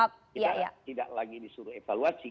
kita tidak lagi disuruh evaluasi